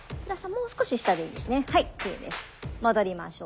もう少し下でいいですね。